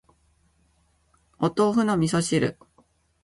お豆腐の味噌汁